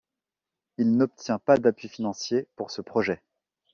Il n'obtient pas d'appui financier pour ce projet.